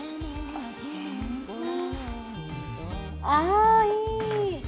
あいい！